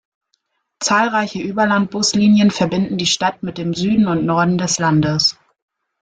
Zahlreiche Überland-Buslinien verbinden die Stadt mit dem Süden und Norden des Landes.